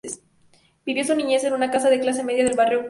Vivió su niñez en una casa de clase media del barrio Kennedy.